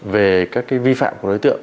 về các vi phạm của đối tượng